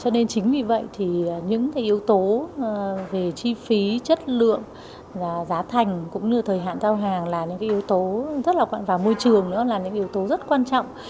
là những yếu tố rất quan trọng và môi trường nữa là những yếu tố rất quan trọng